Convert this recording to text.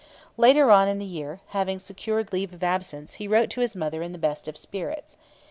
Later on in the year, having secured leave of absence, he wrote to his mother in the best of spirits.